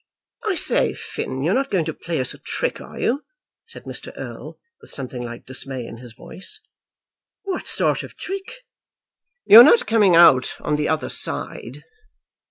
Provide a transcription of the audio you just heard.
"I say, Finn, you're not going to play us a trick, are you?" said Mr. Erle, with something like dismay in his voice. "What sort of trick?" "You're not coming out on the other side?"